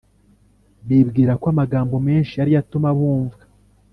bibwira ko amagambo menshi ariyo atuma bumvwa